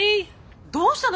どうしたの！？